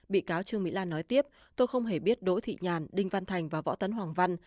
bị cáo trương mỹ lan nói tiếp tôi không hề biết đỗ thị nhàn đinh văn thành và võ tấn hoàng văn